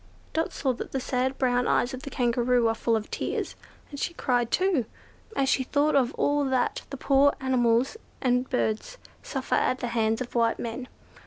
Dot saw that the sad brown eyes of the Kangaroo were full of tears, and she cried too, as she thought of all that the poor animals and birds suffer at the hands of white men.